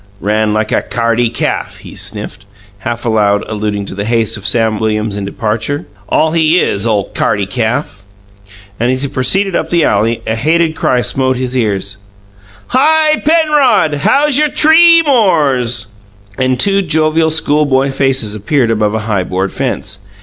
"Ran like a c'ardy calf!" he sniffed, half aloud, alluding to the haste of Sam Williams in departure. "All he is, ole c'ardy calf!" Then, as he proceeded up the alley, a hated cry smote his ears: "Hi, Penrod! How's your tree mores?" And two jovial schoolboy faces appeared above a high board fence.